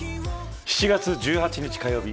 ７月１８日火曜日